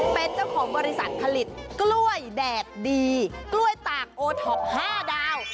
เป็นเจ้าของบริษัทผลิตกล้วยแดดดีกล้วยตากโอท็อป๕ดาว